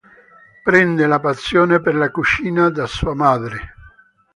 Prende la passione per la cucina da sua madre.